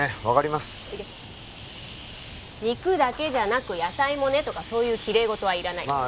分かります肉だけじゃなく野菜もねとかそういうきれいごとはいらない